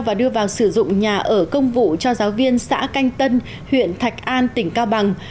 và đưa vào sử dụng nhà ở công vụ cho giáo viên xã canh tân huyện thạch an tỉnh cao bằng